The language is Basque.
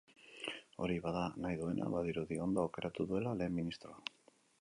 Hori bada nahi duena, badirudi ondo aukeratu duela lehen ministroa.